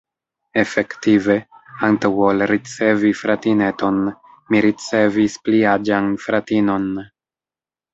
Efektive, antaŭ ol ricevi fratineton, mi ricevis pliaĝan fratinon!